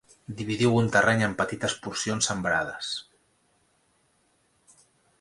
Dividiu un terreny en petites porcions sembrades.